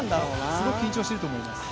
すごく緊張してると思います。